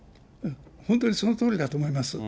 本当にそのとおりだと思います。